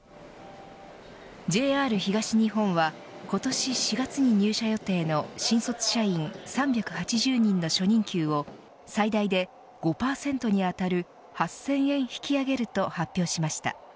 ＪＲ東日本は今年４月に入社予定の新卒社員３８０人の初任給を最大で５％に当たる８０００円引き上げると発表しました。